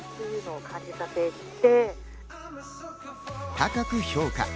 高く評価。